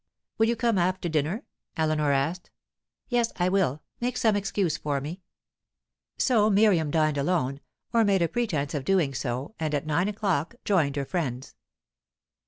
"Will you come after dinner?" Eleanor asked. "Yes, I will. Make some excuse for me." So Miriam dined alone, or made a pretence of doing so, and at nine o'clock joined her friends.